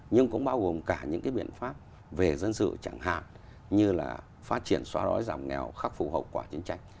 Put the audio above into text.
nhưng cũng bao gồm cả những cái biện pháp về dân sự chẳng hạn như là phát triển xóa đói giảm nghèo khắc phục hậu quả chiến tranh